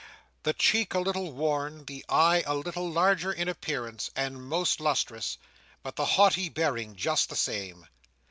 The cheek a little worn, the eye a little larger in appearance, and more lustrous, but the haughty bearing just the same.